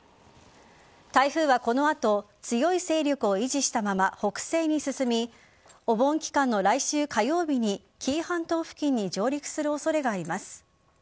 台風はこの後強い勢力を維持したまま北西に進みお盆期間の来週火曜日に紀伊半島付近に上陸する恐れがあります。